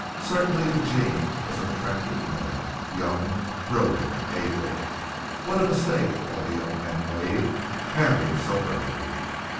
Certainly Eugene was an attractive man young, brilliant, able. What a mistake all the young men made, marrying so early.